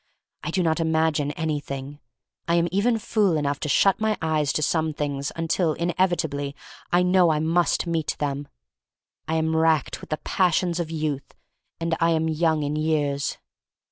I do not imagine anything. I am even fool enough to shut my eyes to some things until, inevitably, I know I must meet them. I am racked with the passions of youth, and I am young in years.